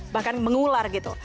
bahkan mengular gitu